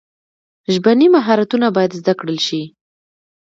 ژبني مهارتونه باید زده کړل سي.